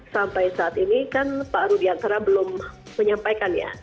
sampai saat ini kan pak rudiantara belum menyampaikan ya